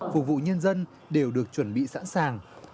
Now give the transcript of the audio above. phục vụ nhân dân đều được chuẩn bị sẵn sàng